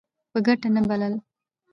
په ګټه نه بلل.